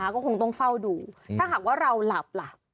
ก็คงต้องเฝ้าดูถ้าหากว่าเราหลับล่ะ